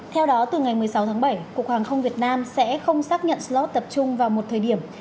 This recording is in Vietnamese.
theo đó từ ngày một mươi sáu tháng bảy cục hàng không việt nam sẽ không xác nhận slot tập trung vào một thời điểm